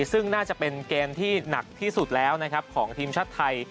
ซึ่งน่าจะเป็นเกมที่หนักที่สุดแล้วนะครับของทีมชาติไทย